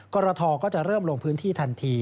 กรทก็จะเริ่มลงพื้นที่ทันที